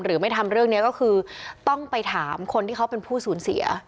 หรือไม่ทำเรื่องนี้ก็คือต้องไปถามคนที่เขาเป็นผู้สูญเสีย